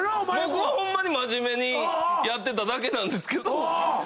僕はホンマに真面目にやってただけなんですけど。